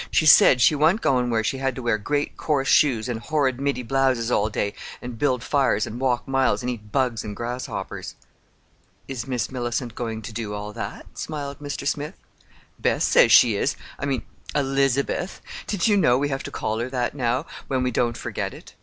She said she wa'n't goin' where she had to wear great coarse shoes an' horrid middy blouses all day, an' build fires an' walk miles an' eat bugs an' grasshoppers." "Is Miss Mellicent going to do all that?" smiled Mr. Smith. "Bess says she is—I mean, Elizabeth. Did you know? We have to call her that now, when we don't forget it.